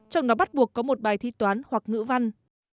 trong đó bắt buộc có một bài thi toán hoặc ngữ văn